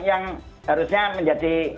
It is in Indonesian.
yang harusnya menjadi